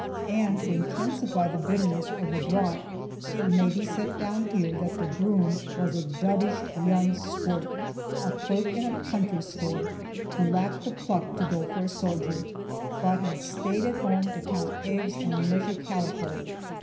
And, to intensify the bitterness of the draught, it may be set down here that the groom was a dudish young squirt, a clerk in a country store, who lacked the pluck to go for a soldier, but had stayed at home to count eggs and measure calico.